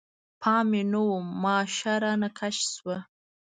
پام مې نه و، ماشه رانه کش شوه.